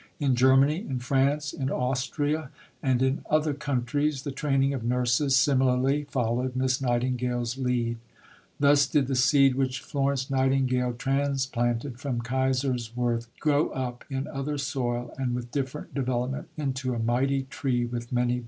In Germany, in France, in Austria, and in other countries, the training of nurses similarly followed Miss Nightingale's lead. Thus did the seed which Florence Nightingale transplanted from Kaiserswerth grow up in other soil and with different development into a mighty tree with many branches.